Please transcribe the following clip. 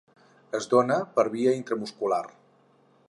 Es dóna per via intramuscular.